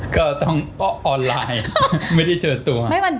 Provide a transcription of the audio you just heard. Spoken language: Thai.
ก็ต้องออนไลน์ไม่ได้เจอตัว